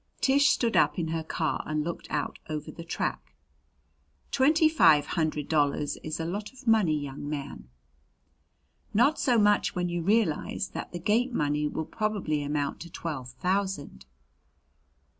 Tish stood up in her car and looked out over the track. "Twenty five hundred dollars is a lot of money, young man." "Not so much when you realize that the gate money will probably amount to twelve thousand."